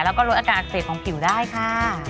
แล้วก็ลดอาการอักเสบของผิวได้ค่ะ